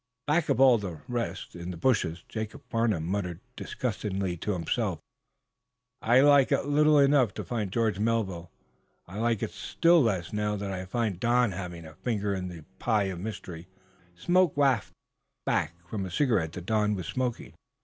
Back of all the rest, in the bushes, Jacob Farnum muttered, disgustedly, to himself: "I like it little enough to find George Melville this. I like it still less, now that I find Don having a finger in the pie of mystery." Smoke wafted back from a cigarette that Don was smoking.